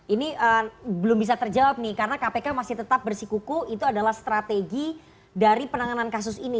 ini belum bisa terjawab nih karena kpk masih tetap bersikuku itu adalah strategi dari penanganan kasus ini